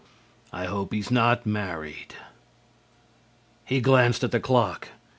I hope he's not married." He glanced at the clock.